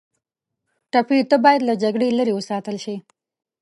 ټپي ته باید له جګړې لرې وساتل شي.